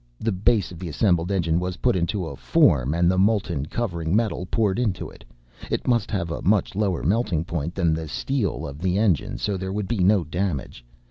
The base of the assembled engine was put into a form and the molten covering metal poured into it. It must have a much lower melting point than the steel of the engine so there would be no damage.